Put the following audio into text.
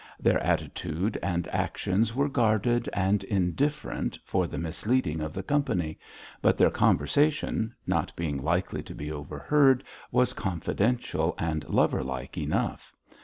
Their attitude and actions were guarded and indifferent for the misleading of the company, but their conversation, not being likely to be overheard, was confidential and lover like enough.